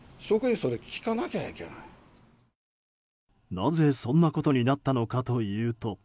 なぜ、そんなことになったのかというと。